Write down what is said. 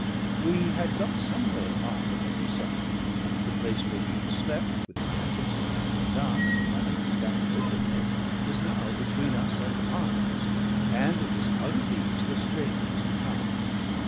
We had got some way off upon the sand. The place where we had slept, with the packets lying undone and the money scattered openly, was now between us and the pines; and it was out of these the stranger must have come.